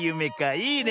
いいね。